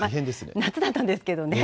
夏だったんですけどね。